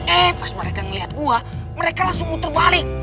eh pas mereka ngeliat gua mereka langsung muter balik